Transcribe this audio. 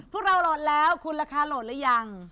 พวกเราโหลดแล้วคุณราคาโหลดหรือยัง